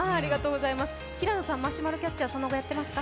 平野さん、マシュマロキャッチはやってますか？